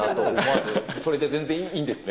それで全然いいんですね。